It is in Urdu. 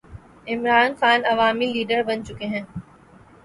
عمران خان عوامی لیڈر بن چکے ہیں۔